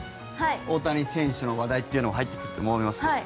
大谷選手の話題っていうの入ってきていると思いますけども。